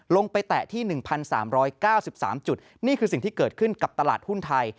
ไปแตะที่๑๓๙๓จุดนี่คือสิ่งที่เกิดขึ้นกับตลาดหุ้นไทย